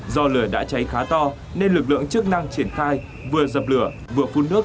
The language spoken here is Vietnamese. do lửa đã cháy khá to nên lực lượng chức năng triển khai vừa dập lửa vừa phun nước